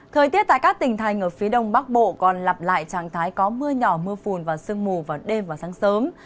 thời tiết tại các tỉnh thành ở phía đông bắc bộ còn lặp lại trạng thái có mưa nhỏ mưa phùn và sương mù vào đêm và sáng sớm